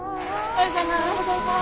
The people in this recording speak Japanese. おはようございます。